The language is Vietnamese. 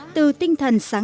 từ tinh thần sân khấu cải lương